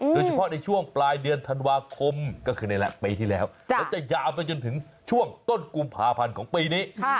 โดยเฉพาะในช่วงปลายเดือนธันวาคมก็คือนี่แหละปีที่แล้วแล้วจะยาวไปจนถึงช่วงต้นกุมภาพันธ์ของปีนี้